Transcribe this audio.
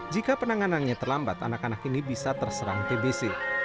jika penanganannya terlambat anak anak ini bisa terserang tbc